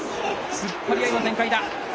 突っ張り合いの展開だ。